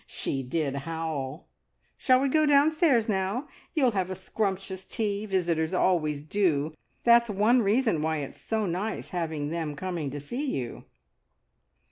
She did howl! Shall we go downstairs now? You'll have a scrumptious tea. Visitors always do. That's one reason why it's so nice having them coming to see you."